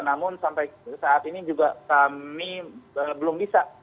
namun sampai saat ini juga kami belum bisa